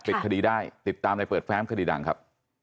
ปิดคดีได้ติดตามในเปิดแฟ้มคดีดังครับ